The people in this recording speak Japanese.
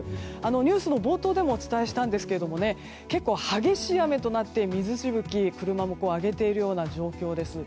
ニュースの冒頭でもお伝えしましたが結構、激しい雨となって水しぶきを車が上げているような状況です。